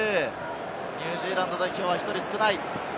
ニュージーランド代表は１人少ない。